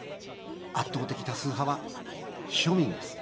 圧倒的多数派は庶民です。